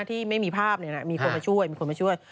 ที่ไม่มีภาพมีคนมาช่วยมีคนมาช่วย